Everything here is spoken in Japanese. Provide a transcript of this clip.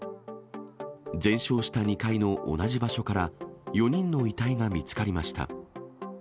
全焼した２階の同じ場所から４人の遺体が見つかりました。